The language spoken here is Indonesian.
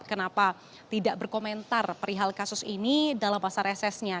kenapa tidak berkomentar perihal kasus ini dalam masa resesnya